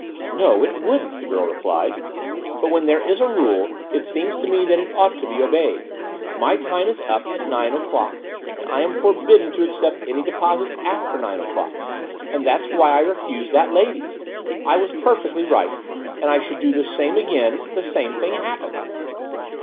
"No, it wouldn't," the girl replied; "but when there is a rule it seems to me that it ought to be obeyed. My time is up at nine o'clock, and I am forbidden to accept any deposits after nine o'clock: and that's why I refused that lady's. I was perfectly right; and I should do the same again, if the same thing happened."